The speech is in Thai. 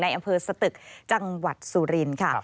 อำเภอสตึกจังหวัดสุรินทร์ค่ะ